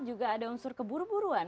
juga ada unsur keburu buruan